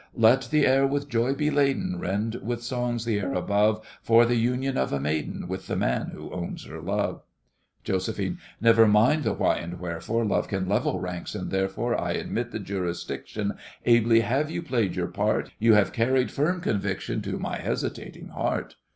Let the air with joy be laden, Rend with songs the air above, For the union of a maiden With the man who owns her love! JOS. Never mind the why and wherefore, Love can level ranks, and therefore I admit the jurisdiction; Ably have you played your part; You have carried firm conviction To my hesitating heart.